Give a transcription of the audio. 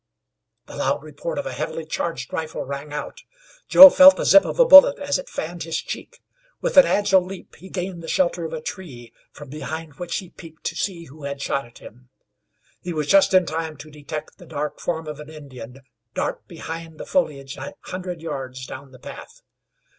The loud report of a heavily charged rifle rang out. Joe felt the zip of a bullet as it fanned his cheek. With an agile leap he gained the shelter of a tree, from behind which he peeped to see who had shot at him. He was just in time to detect the dark form of an Indian dart behind the foliage an hundred yards down the path.